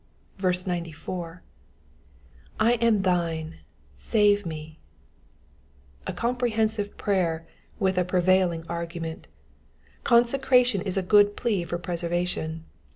94. '*/ am thine^ save me^ A comprehensive prayer with a prevailing argument. Consecration is a good plea for preservation.